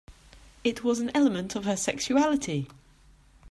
It was an element of her sexuality.